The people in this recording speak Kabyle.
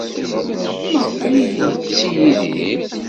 Maɣef ay t-yetti Yidir?